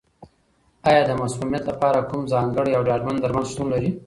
آیا د مسمومیت لپاره کوم ځانګړی او ډاډمن درمل شتون لري؟